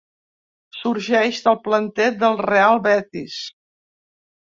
Sorgeix del planter del Real Betis.